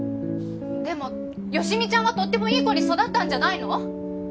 でも好美ちゃんはとってもいい子に育ったんじゃないの？